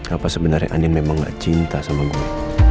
apa sebenarnya aneh memang gak cinta sama gue